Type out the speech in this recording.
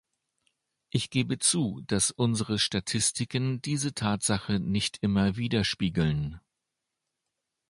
Ich gebe zu, dass unsere Statistiken diese Tatsache nicht immer widerspiegeln.